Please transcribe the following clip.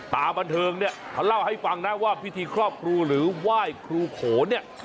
ตาบันเทิงเนี่ยเขาเล่าให้ฟังนะว่าพิธีครอบครูหรือไหว้ครูโขนเนี่ย